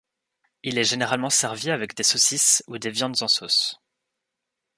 Il est généralement servi avec des saucisses ou des viandes en sauce.